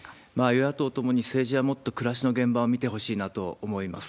与野党ともに政治はもっと暮らしの現場を見てほしいなと思います。